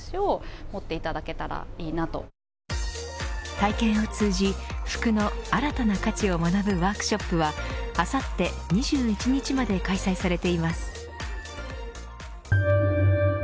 体験を通じ、服の新たな価値を学ぶワークショップはあさって２１日まで開催されています。